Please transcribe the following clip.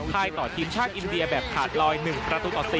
ต่อทีมชาติอินเดียแบบขาดลอย๑ประตูต่อ๔